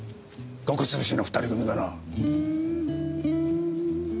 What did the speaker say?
穀潰しの２人組がな。